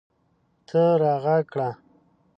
ته راږغ کړه